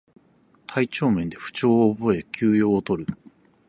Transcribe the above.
体調面で不調を覚え休養をとる